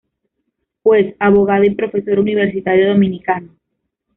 Juez, Abogado y Profesor universitario dominicano.